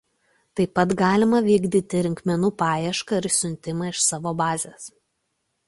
Taip pat galima vykdyti rinkmenų paiešką ir siuntimą iš savo bazės.